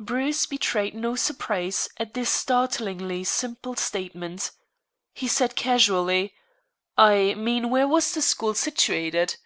Bruce betrayed no surprise at this startlingly simple statement. He said casually: "I mean where was the school situated?"